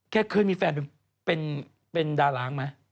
แค่เคยมีแฟนเป็นดารางก์ไหม